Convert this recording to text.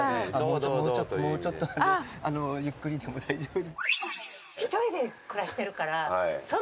もうちょっとゆっくりでも大丈夫。